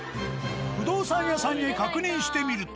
不動産屋さんに確認してみると。